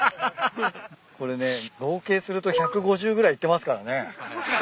これね合計すると１５０ぐらいいってますからね。